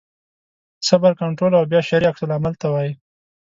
صبر کنټرول او بیا شرعي عکس العمل ته وایي.